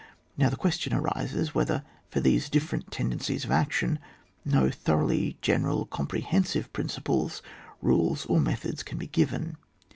Now the question arises whether for these different tendencies of action no thoroughly general comprehen sive principles, rules, or methods can be given.